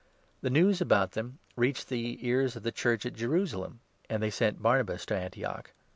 The news about them reached 22 the ears of the Church at Jerusalem, and they sent Barnabas to Antioch.